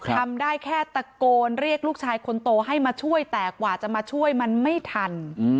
ทำได้แค่ตะโกนเรียกลูกชายคนโตให้มาช่วยแต่กว่าจะมาช่วยมันไม่ทัน